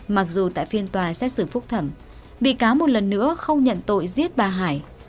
mặc dù tại phiên tòa xét xử phúc thẩm bị cáo một lần nữa không nhận tội giết bà hải